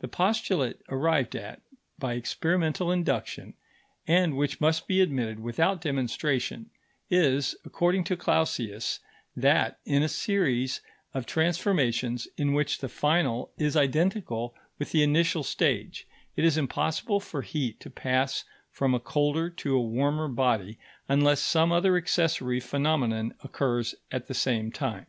The postulate arrived at by experimental induction, and which must be admitted without demonstration, is, according to Clausius, that in a series of transformations in which the final is identical with the initial stage, it is impossible for heat to pass from a colder to a warmer body unless some other accessory phenomenon occurs at the same time.